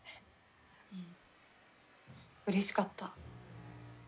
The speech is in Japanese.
うんうれしかった。